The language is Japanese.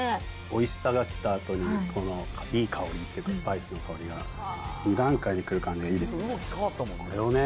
おいしさが来たあとに、このいい香り、スパイスの香りが２段階で来る感じがいいですね。